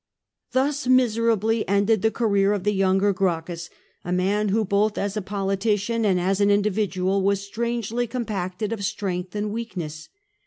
^ Thus miserably ended the career of the younger Gracchus, a man who, both as a politician and as an individual, was strangely compacted of strength and weakness.